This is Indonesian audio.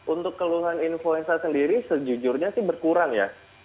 untuk keluhan influenza sendiri sejujurnya sih berkurang ya